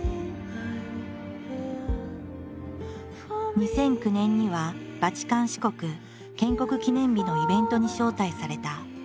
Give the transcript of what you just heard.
２００９年にはバチカン市国建国記念日のイベントに招待された。